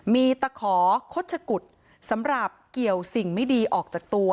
มีตะขอโฆษกุฎสำหรับเกี่ยวสิ่งไม่ดีออกจากตัว